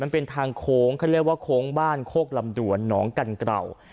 มันเป็นทางโค้งเขาเรียกว่าโค้งบ้านโคกลำดวนหนองกันเกรา